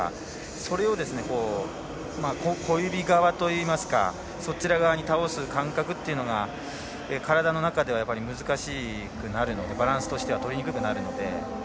それを小指側といいますかそちら側に倒す感覚というのが体の中では難しくなるのでバランスがとりにくくなるので。